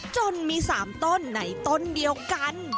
จนมี๓ต้นในต้นเดียวกัน